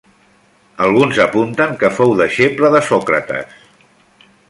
Alguns apunten que fou deixeble de Sòcrates.